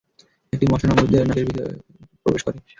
একটি মশা নমরূদের নাকের ছিদ্রে প্রবেশ করে।